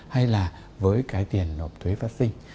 hay là với tiền nộp thuế phát sinh